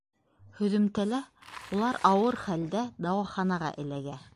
Һөҙөмтәлә улар ауыр хәлдә дауаханаға эләгә.